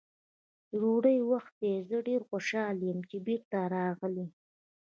د ډوډۍ وخت دی، زه ډېر خوشحاله یم چې بېرته راغلې.